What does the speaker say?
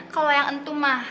kalau yang entum mah